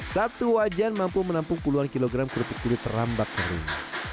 satu wajan mampu menampung puluhan kilogram kerupuk kulit rambak kering